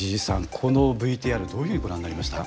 このＶＴＲどういうふうにご覧になりました？